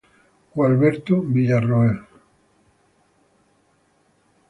Gualberto Villarroel.